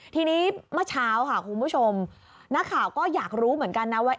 ทีนี้เมื่อเช้าค่ะคุณผู้ชมนักข่าวก็อยากรู้เหมือนกันนะว่า